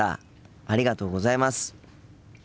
ありがとうございます。